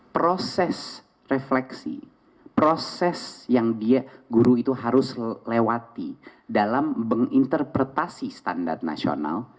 proses refleksi proses yang dia guru itu harus lewati dalam menginterpretasi standar nasional